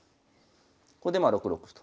ここでまあ６六歩と。